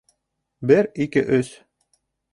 Бер, ике, өс...